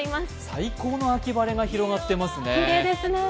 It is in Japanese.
最高の秋晴れが広がっていますね。